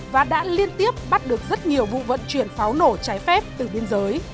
và đã liên tiếp bắt được rất nhiều vụ vận chuyển pháo nổ trái phép từ biên giới